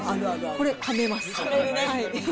これ、かめます。